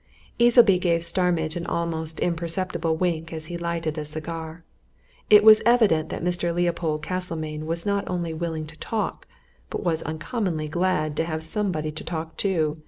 Easleby gave Starmidge an almost imperceptible wink as he lighted a cigar. It was evident that Mr. Leopold Castlemayne was not only willing to talk, but was uncommonly glad to have somebody to talk to.